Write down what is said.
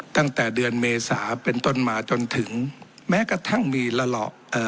ตั้งแต่เดือนเมษาเป็นต้นมาจนถึงแม้กระทั่งมีละหล่อเอ่อ